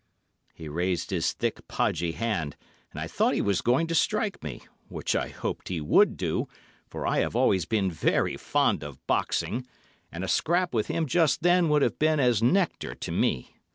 He raised his thick, podgy hand, and I thought he was going to strike me, which I hoped he would do, for I have always been very fond of boxing, and a scrap with him just then would have been as nectar to me.